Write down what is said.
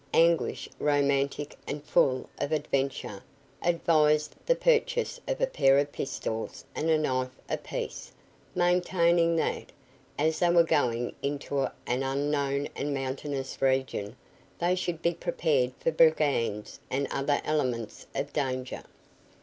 Anguish, romantic and full of adventure, advised the purchase of a pair of pistols and a knife apiece, maintaining that, as they were going into an unknown and mountainous region, they should be prepared for brigands and other elements of danger.